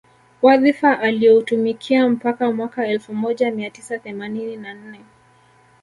Wadhifa alioutumikia mpaka Mwaka elfu moja mia tisa themanini na nne